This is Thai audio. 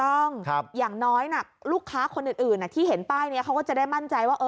อย่างน้อยลูกค้าคนอื่นที่เห็นป้ายนี้เขาก็จะได้มั่นใจว่า